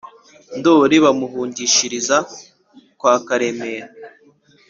ndoli bamuhungishiriza kwa karemera